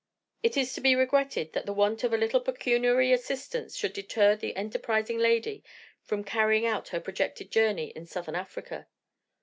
It is to be regretted that the want of a little pecuniary assistance should deter the enterprising lady from carrying out her projected journey in Southern Africa.